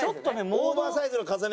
オーバーサイズね。